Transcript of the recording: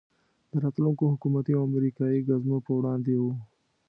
د راتلونکو حکومتي او امریکایي ګزمو په وړاندې وو.